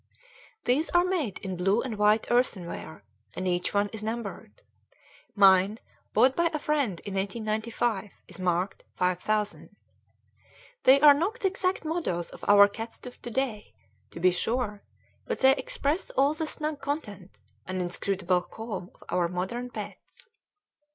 These are made in blue and white earthenware and each one is numbered. Mine, bought by a friend in 1895, is marked 5000. They are not exact models of our cats of to day, to be sure, but they express all the snug content and inscrutable calm of our modern pets.